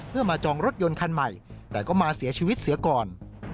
มาจองรถยนต์คันใหม่แต่ก็มาเสียชีวิตเสียก่อน